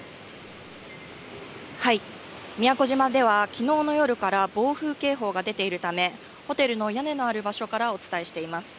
はい、宮古島ではきのうの夜から暴風警報が出ているため、ホテルの屋根のある場所からお伝えしています。